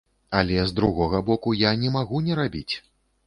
Але з другога боку, я не магу не рабіць.